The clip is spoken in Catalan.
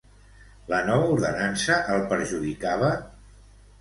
La nova ordenança el perjudicava?